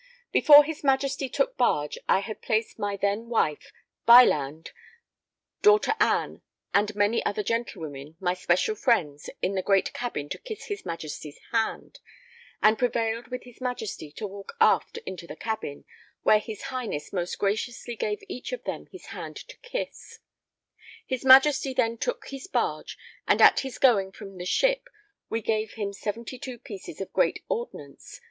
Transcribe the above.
Before his Majesty took barge I had placed my then wife, Bylande, daughter Ann, and many other gentlewomen, my special friends, in the great cabin to kiss his Majesty's hand, and prevailed with his Majesty to walk aft into the cabin, where his Highness most graciously gave each of them his hand to kiss. His Majesty then took his barge, and at his going from the ship we gave him 72 pieces of great ordnance.